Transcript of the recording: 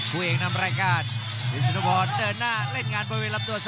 คู่เองนำรายการวิศนุพรภาษาเดินหน้าเล่นงานบริเวณรับตัว